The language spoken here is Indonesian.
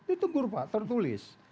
itu tegur pak tertulis